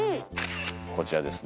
こちらですね。